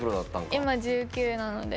今１９なので。